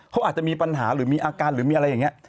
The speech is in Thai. เขาอาจจะมีปัญหาหรือมีอาการหรือมีอะไรอย่างนี้